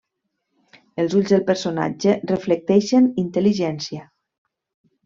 Els ulls del personatge reflecteixen intel·ligència.